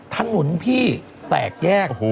ท่านหนุนพี่แตกแยก